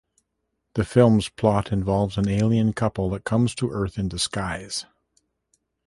The film's plot involves an alien couple that comes to Earth in disguise.